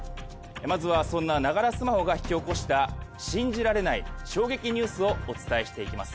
まずはそんなながらスマホが引き起こした信じられない衝撃ニュースをお伝えしていきます。